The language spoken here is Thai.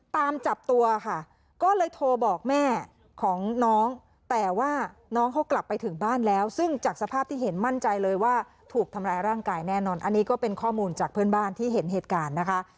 ตามจับตัวค่ะก็เลยโทรบอกแม่ของน้องแต่ว่าน้องเขากลับไปถึงบ้านแล้วซึ่งจากสภาพที่เห็นมั่นใจเลยว่าถูกทำร้ายร่างกายแน่นอนอันนี้ก็เป็นข้อมูลจากเพื่อนบ้านที่เห็นเหตุการณ์นะคะ